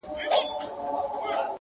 یانې مرګ پسې مې ټول جهان را ووت